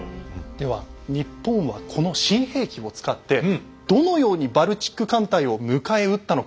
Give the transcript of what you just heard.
では日本はこの新兵器を使ってどのようにバルチック艦隊を迎え撃ったのか。